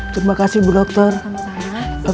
terima kasih bu dokter